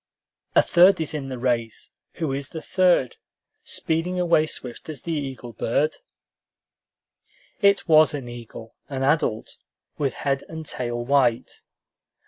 "A third is in the race! Who is the third, Speeding away swift as the eagle bird?" It was an eagle, an adult, with head and tail white.